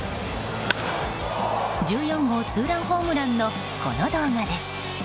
１４号ツーランホームランのこの動画です。